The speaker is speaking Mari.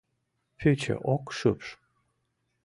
Пӱчӧ ок шупш.